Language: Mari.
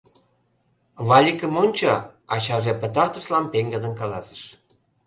Валикым ончо, — ачаже пытартышлан пеҥгыдын каласыш.